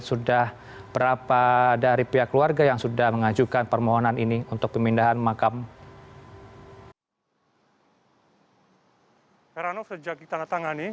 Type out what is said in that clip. sudah ada dua keluarga yang sudah mengajukan permohonan pemindahan